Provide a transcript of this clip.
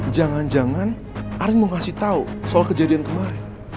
jangan jangan arin mau ngasih tahu soal kejadian kemarin